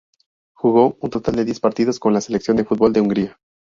Jugó un total de diez partidos con la selección de fútbol de Hungría.